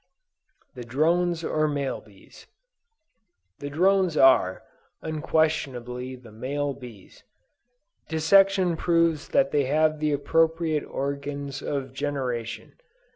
THE DRONES OR MALE BEES. The drones are, unquestionably, the male bees. Dissection proves that they have the appropriate organs of generation.